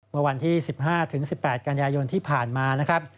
เมื่อวันที่๑๕๑๘กันยายนที่ผ่านมานะครับ